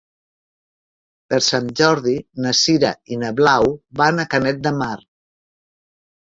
Per Sant Jordi na Sira i na Blau van a Canet de Mar.